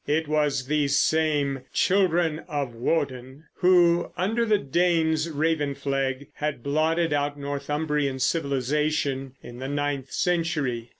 It was these same "Children of Woden" who, under the Danes' raven flag, had blotted out Northumbrian civilization in the ninth century.